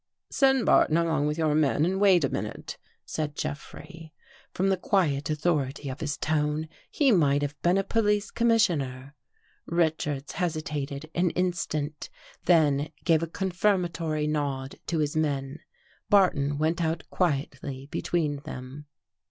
" Send Barton along with your men and wait a 268 A QUESTION OF CENTIMETERS minute," said Jeffrey. From the quiet authority of his tone, he might have been a police commissioner. Richards hesitated an instant, then gave a confirm atory nod to his men. Barton went out quietly between them.